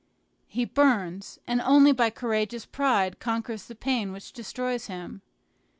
He burns, and only by courageous pride conquers the pain which destroys him.